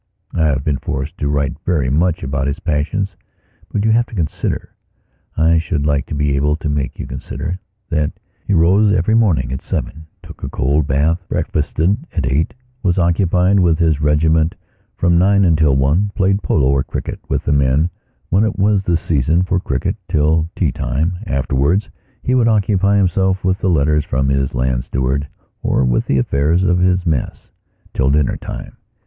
I have been forced to write very much about his passions, but you have to considerI should like to be able to make you considerthat he rose every morning at seven, took a cold bath, breakfasted at eight, was occupied with his regiment from nine until one; played polo or cricket with the men when it was the season for cricket, till tea time. Afterwards he would occupy himself with the letters from his land steward or with the affairs of his mess, till dinner time.